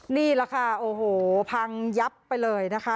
นี่แหละค่ะโอ้โหพังยับไปเลยนะคะ